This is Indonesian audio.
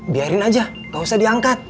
biarin aja gak usah diangkat